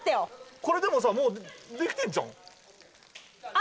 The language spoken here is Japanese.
これでもさもうできてんちゃうん？